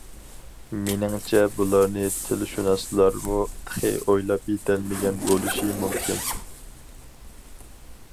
مېنىڭچە بۇلارنى تىلشۇناسلارمۇ تېخى ئويلاپ يېتەلمىگەن بولۇشى مۇمكىن.